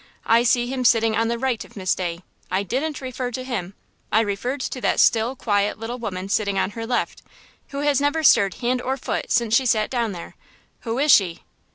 I see him sitting on the right of Miss Day. I didn't refer to him! I referred to that still, quiet little woman sitting on her left, who has never stirred hand or foot since she sat down there. Who is she?"